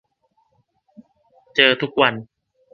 เจอทุกวัน